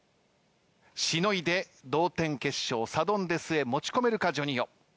しのいで同点決勝サドンデスへ持ち込めるかＪＯＮＩＯ。